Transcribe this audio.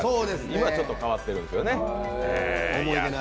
今はちょっと変わってるんですよね。